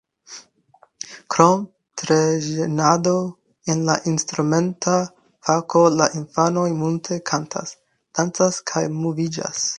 Krom trejnado en la instrumenta fako la infanoj multe kantas, dancas kaj moviĝas.